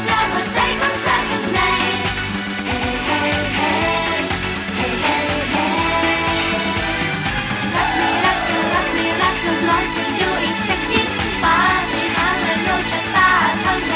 ฉันมั่นใจว่าเราจะเต้นหนึ่งฝันในวันเย็นควัน